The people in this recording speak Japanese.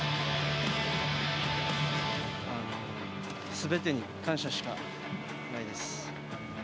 全てに感謝しかないです。